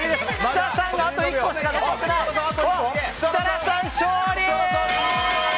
設楽さん、勝利！